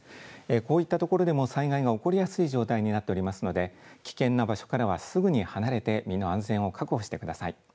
こういった所でも災害が起こりやすい状態になっておりますので危険な場所からはすぐに離れて身の安全を確保してください。